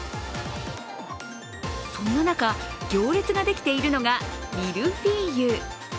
そんな中、行列ができているのがミルフィーユ。